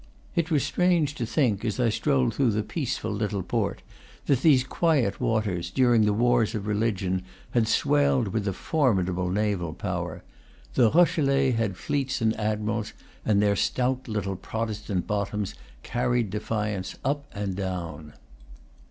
It was strange to think, as I strolled through the peaceful little port, that these quiet waters, during the wars of religion, had swelled with a formidable naval power. The Rochelais had fleets and admirals, and their stout little Protestant bottoms carried de fiance up and down.